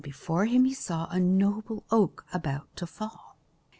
Before him he saw a noble oak about to fall.